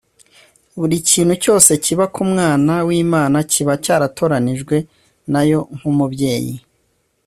Buri kintu cyose kiba ku mwana w’Imana kiba cyaratoranijwe nayo nk’umubyeyi